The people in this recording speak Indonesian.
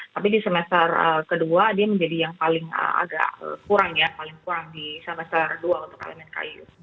tapi di semester kedua dia menjadi yang paling agak kurang ya paling kurang di semester dua untuk elemen kayu